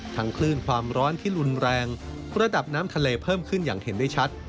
คลื่นความร้อนที่รุนแรงระดับน้ำทะเลเพิ่มขึ้นอย่างเห็นได้ชัด